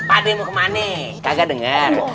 pak demokmane kagak dengar